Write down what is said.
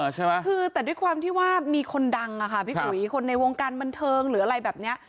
แต่ด้วยความที่ว่ามีคนดังคนในวงการบรรเทิงหรืออะไรแบบนี้